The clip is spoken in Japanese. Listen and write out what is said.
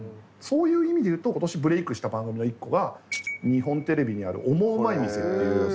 そういう意味で言うと今年ブレークした番組の一個が日本テレビにある「オモウマい店」っていう。